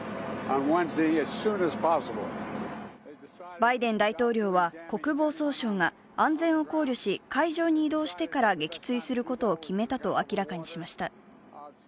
バイデン大統領は、国防総省が安全を考慮し海上に移動してから撃墜することを決めたと明らかにしました。